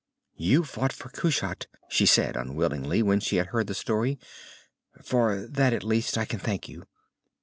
"You fought for Kushat," she said, unwillingly, when she had heard the story. "For that, at least, I can thank you."